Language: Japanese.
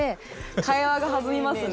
会話が弾みますね。